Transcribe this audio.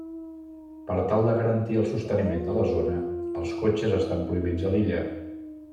Per tal de garantir el sosteniment de la zona, els cotxes estan prohibits a l'illa.